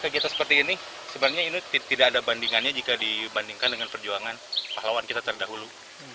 kegiatan seperti ini sebenarnya ini tidak ada bandingannya jika dibandingkan dengan perjuangan pahlawan kita terdahulu